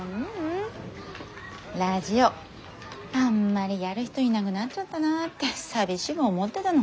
ラジオあんまりやる人いなぐなっちゃったなって寂しぐ思ってだの。